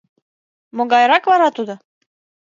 Могайрак вара тудо?»